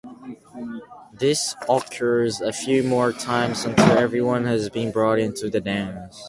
This occurs a few more times until everyone has been brought into the dance.